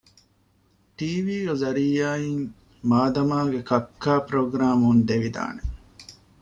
ޓީވީގެ ޒަރިއްޔާއިން މާދަމާގެ ކައްކާ ޕުރޮގްރާމުން ދެވިދާނެ